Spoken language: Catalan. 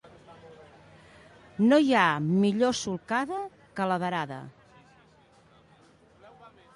No hi ha millor solcada que la d'arada.